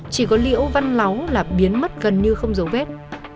chỉ có liễu văn lóng là biến mất gần như không dấu vết